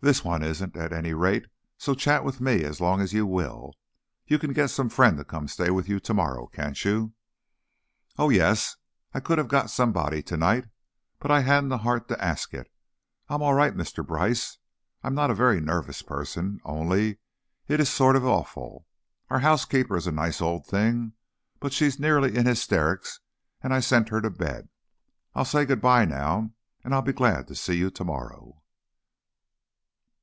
"This one isn't, at any rate, so chat with me as long as you will. You can get some friend to come to stay with you tomorrow, can't you?" "Oh, yes; I could have got somebody tonight, but I hadn't the heart to ask it. I'm all right, Mr. Brice, I'm not a very nervous person, only, it is sort of awful. Our housekeeper is a nice old thing, but she's nearly in hysterics and I sent her to bed. I'll say good by now, and I'll be glad to see you tomorrow."